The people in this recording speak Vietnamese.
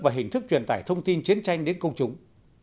và hình thức truyền tải thông tin chiến tranh đến công chúng